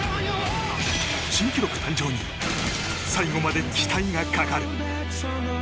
新記録誕生に最後まで期待がかかる。